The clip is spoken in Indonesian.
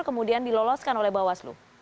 kemudian diloloskan oleh bawaslu